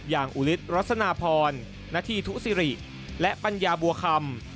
อย่างอุฤษฐ์รัสนาพรณฑีทุศิริและปัญญาบัวคำ